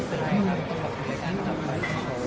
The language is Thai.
จริงไม่ได้พูดเพื่อต้องการสร้างผลของคุณ